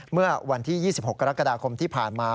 เมื่อวันที่๒๖กรกฎาคมที่ผ่านมา